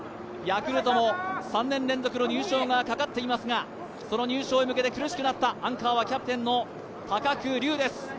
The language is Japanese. ヤクルトも３年連続の入賞がかかっていますが、その入賞へ向けて苦しくなった、アンカーはキャプテンの高久龍です。